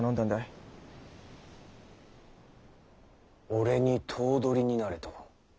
俺に頭取になれと？